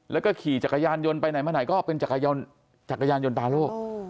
แล้วก็ขี่จักรยานยนต์ไปไหนมาไหนก็เป็นจักรยานยนตาโล่